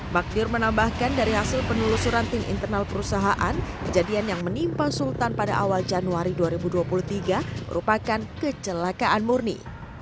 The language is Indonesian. magdir menambahkan dari hasil penelusuran tim internal perusahaan kejadian yang menimpa sultan pada awal januari dua ribu dua puluh tiga merupakan kecelakaan murni